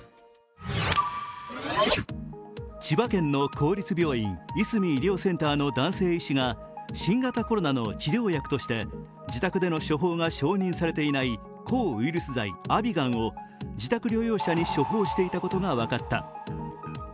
千葉県の公立病院、いすみ医療センターの男性医師が新型コロナの治療薬として自宅での処方が承認されていない抗ウイルス剤・アビガンを自宅療養者に処方していたことが分かった。